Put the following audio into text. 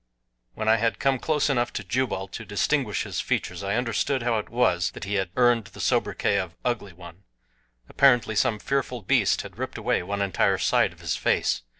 When I had come close enough to Jubal to distinguish his features I understood how it was that he had earned the sobriquet of Ugly One. Apparently some fearful beast had ripped away one entire side of his face.